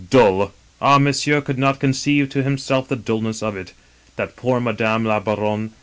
" Dull ! Ah, monsieur could not conceive to himself the dullness of it. That poor Madame la Baronne